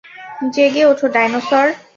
জেগে ওঠো, ডাইনোসর।